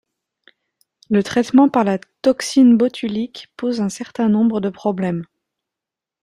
Le traitement par la toxine botulique pose un certain nombre de problèmes.